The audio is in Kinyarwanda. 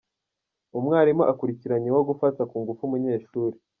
Umwarimu akurikiranyweho gufata ku ngufu umunyeshuri